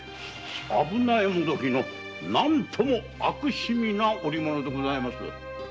危な絵もどきの何とも悪趣味な織物でございますよ。